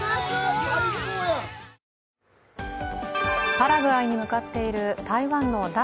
パラグアイに向かっている台湾の頼